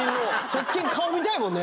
鉄拳顔見たいもんね